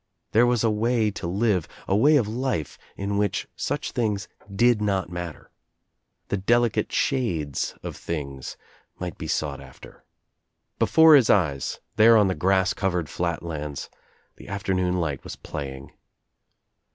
There was a way to live — a way of life in which such things did not matter. The deli cate shades of things might be sought after. Before his eyes, there on the grass covered flat lands, the ^afternoon light was playing.